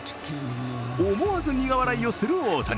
思わず苦笑いをする大谷。